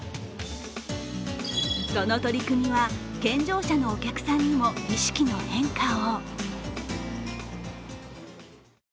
その取り組みは健常者のお客さんにも意識の変化を。